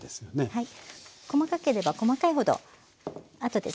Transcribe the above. はい。